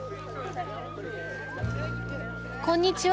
こんにちは。